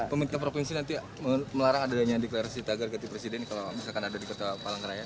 pemerintah provinsi nanti melarang adanya deklarasi tagar ganti presiden kalau misalkan ada di kota palangkaraya